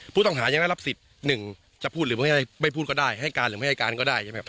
ผู้ต้องหายังได้รับสิทธิ์๑จะพูดหรือไม่พูดก็ได้ให้การหรือไม่ให้การก็ได้ใช่ไหม